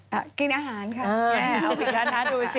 เออเอาไปกินอาหารนั้นดูสิ